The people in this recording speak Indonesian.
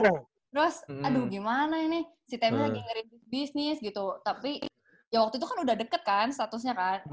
terus aduh gimana ini si timnya lagi ngeribut bisnis gitu tapi ya waktu itu kan udah deket kan statusnya kan